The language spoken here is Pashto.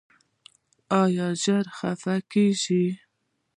ایا ژر خفه کیږئ؟